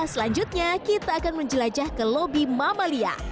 selanjutnya kita akan menjelajah ke lobi mamalia